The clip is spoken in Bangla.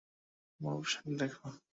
তোমার পোশাক দেখে।